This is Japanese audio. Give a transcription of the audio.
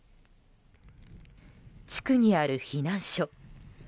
地区にある避難所。